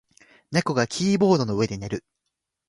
猫がキーボードの上で寝る。